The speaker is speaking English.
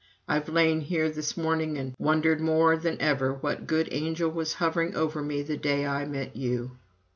I've lain here this morning and wondered more than ever what good angel was hovering over me the day I met you."